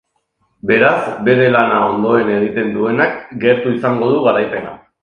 Beraz, bere lana ondoen egiten duenak gertu izango du garaipena.